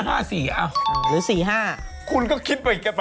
หรือ๔๕